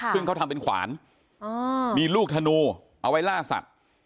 ซึ่งเขาทำเป็นขวานมีลูกธนูเอาไว้ล่าสัตว์